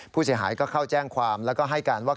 ผู้เสียหายก็เข้าแจ้งความแล้วก็ให้การว่า